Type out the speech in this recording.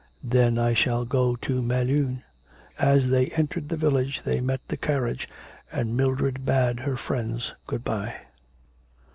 'Then I shall go to Melun.' As they entered the village they met the carriage, and Mildred bade her friends good bye.